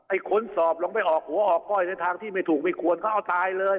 ค้นสอบลงไปออกหัวออกก้อยในทางที่ไม่ถูกไม่ควรเขาเอาตายเลย